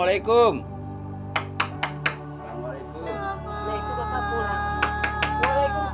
ini bener gak sih